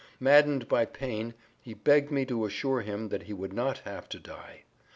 Maddened by pain he begged me to assure him that he would not have to die.